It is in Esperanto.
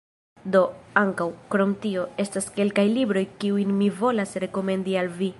Do, ankaŭ, krom tio, estas kelkaj libroj, kiujn mi volas rekomendi al vi: